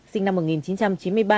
sinh năm một nghìn chín trăm chín mươi ba